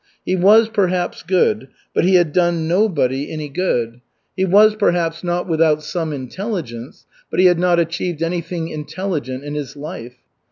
He was, perhaps, good, but he had done nobody any good; he was, perhaps, not without some intelligence, but he had not achieved anything intelligent in his life.